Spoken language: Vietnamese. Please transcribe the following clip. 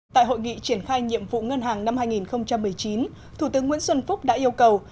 tại hội nghị triển khai nhiệm vụ ngân hàng năm hai nghìn một mươi chín thủ tướng nguyễn xuân phúc đã yêu cầu